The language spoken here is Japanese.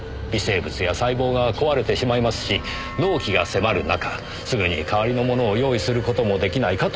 微生物や細胞が壊れてしまいますし納期が迫る中すぐに代わりのものを用意する事も出来ない。